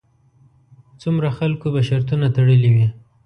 څومره خلکو به شرطونه تړلې وي.